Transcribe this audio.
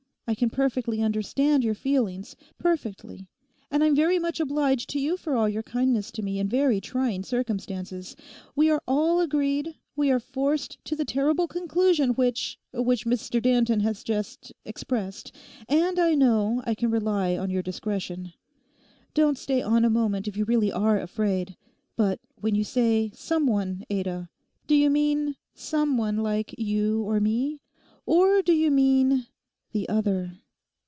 I can perfectly understand your feelings—perfectly. And I'm very much obliged to you for all your kindness to me in very trying circumstances. We are all agreed—we are forced to the terrible conclusion which—which Mr Danton has just—expressed. And I know I can rely on your discretion. Don't stay on a moment if you really are afraid. But when you say "some one" Ada, do you mean—some one like you or me; or do you mean—the other?